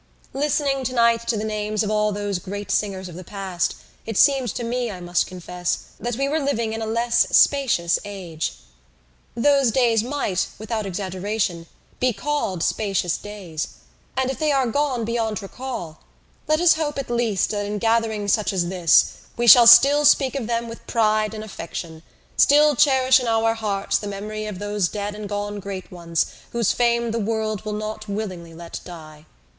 Listening tonight to the names of all those great singers of the past it seemed to me, I must confess, that we were living in a less spacious age. Those days might, without exaggeration, be called spacious days: and if they are gone beyond recall let us hope, at least, that in gatherings such as this we shall still speak of them with pride and affection, still cherish in our hearts the memory of those dead and gone great ones whose fame the world will not willingly let die."